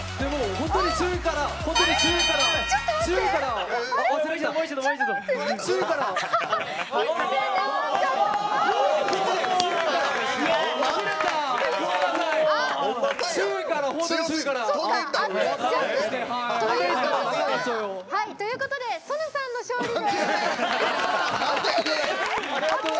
本当に強いから。ということでソヌさんの勝利です。